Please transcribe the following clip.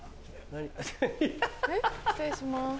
失礼します。